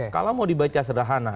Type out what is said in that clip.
kalau mau dibaca sederhana